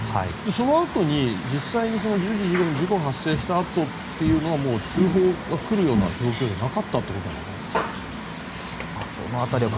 そのあとに実際に１０時１５分の事故が発生したあとは通報が来るような状況ではなかったということなの。